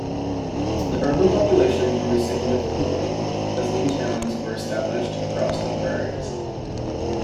The urban population grew significantly as new towns were established across the Prairies.